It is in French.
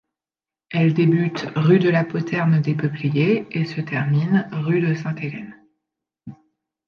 Elle débute rue de la Poterne-des-Peupliers et se termine rue de Sainte-Hélène.